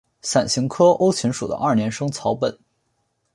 伞形科欧芹属的二年生草本。